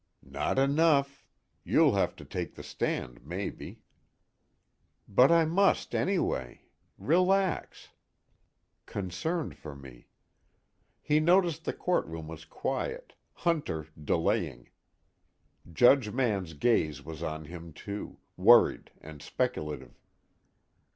"Not enough. You'll have to take the stand, maybe." "But I must anyway. Relax." Concerned for me. He noticed the courtroom was quiet, Hunter delaying. Judge Mann's gaze was on him too, worried and speculative.